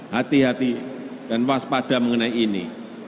hati hati dan waspada mengenai ini